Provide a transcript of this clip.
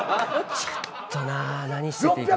ちょっとな何してていいか。